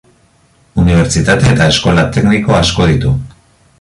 Unibertsitate eta eskola tekniko asko ditu.